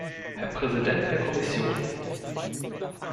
Herr Präsident der Kommission!